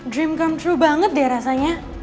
dream come true banget deh rasanya